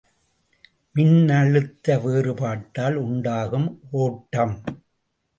மின்னழுத்த வேறுபாட்டால் உண்டாகும் ஒட்டம்.